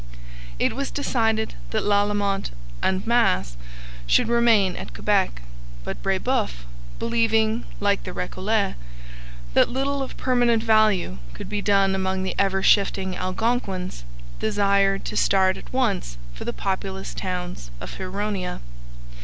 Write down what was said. It was decided that Lalemant and Masse should remain at Quebec; but Brebeuf, believing, like the Recollets, that little of permanent value could be done among the ever shifting Algonquins, desired to start at once for the populous towns of Huronia.